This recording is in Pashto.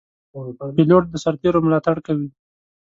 پیلوټ د سرتېرو ملاتړ کوي.